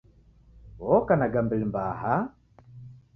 Oka na gambili mbaha